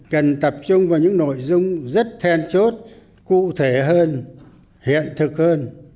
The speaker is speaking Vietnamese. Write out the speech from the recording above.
cần tập trung vào những nội dung rất then chốt cụ thể hơn hiện thực hơn